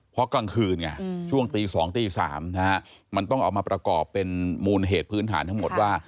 เพราะกลางคืนไงช่วงตี๒ตี๓นะฮะมันต้องเอามาประกอบเป็นมูลเหตุพื้นฐานทั้งหมดว่า